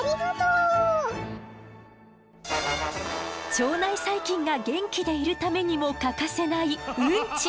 腸内細菌が元気でいるためにも欠かせないウンチ。